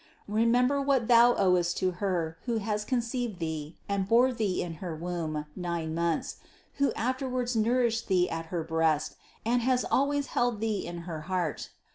Re member what thou owest to her, who has conceived Thee and bore Thee in her womb nine months, who after wards nourished Thee at her breast and has always held THE CONCEPTION 553 Thee in her heart.